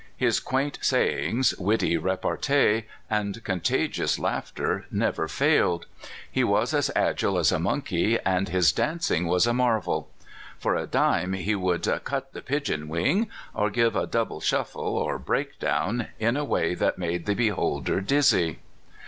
His quaint sayings, witty repartee, and contagious laughter, never failed. He was as agile as a monkey, and his dancing was a marvel. For a dime he would "cut the pigeon A VIRGINIAN IN CALIFORNIA. 259 wing," or give a "double shuffle" or "breakdown" in a way that made the beholder dizzy.